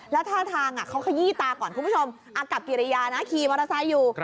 แล้วท่าทางเขาขยี้ตาก่อนคุณผู้ชมอากับกิริยานะขี่มอเตอร์ไซค์อยู่